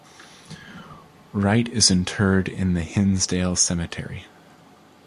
Wright is interred in the Hinsdale Cemetery.